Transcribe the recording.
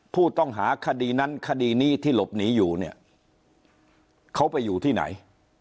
ผู้ต้องหาคดีนั้นคดีนี้ที่หลบหนีอยู่เนี่ยเขาไปอยู่ที่ไหน